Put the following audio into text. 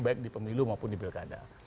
baik di pemilu maupun di pilkada